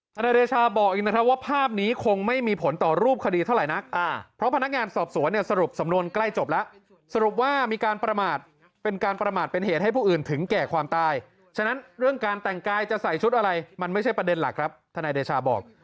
นายเดชาบอกอีกนะครับว่าภาพนี้คงไม่มีผลต่อรูปคดีเท่าไหร่นักเพราะพนักงานสอบสวนเนี่ยสรุปสำนวนใกล้จบแล้วสรุปว่ามีการประมาทเป็นการประมาทเป็นเหตุให้ผู้อื่นถึงแก่ความตายฉะนั้นเรื่องการแต่งกายจะใส่ชุดอะไรมันไม่ใช่ประเด็นหลักครับทนายเดชาบอก